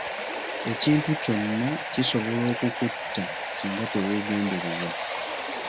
Ekintu kyonna kisobola okukutta singa teweegendereza.